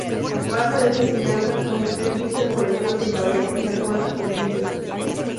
Parte de esta enseñanza consistió en visitas colectivas en París y en algunas provincias.